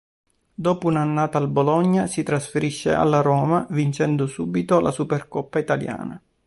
Dopo un’annata al Bologna, si trasferisce alla Roma vincendo subito la Supercoppa italiana.